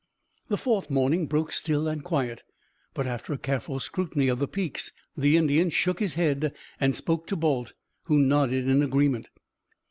The fourth morning broke still and quiet; but, after a careful scrutiny of the peaks, the Indian shook his head and spoke to Balt, who nodded in agreement.